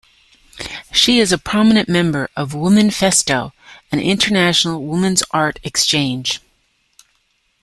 She is a prominent member of Womanifesto, an international woman's art exchange.